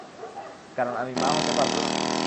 কারণ আমি মা হতে পারব না।